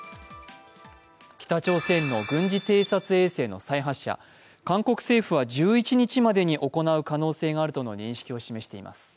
北朝鮮の軍事偵察衛星の再発射、韓国政府は１１日までに行われる可能性があるとの認識を示しました。